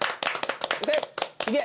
いけ！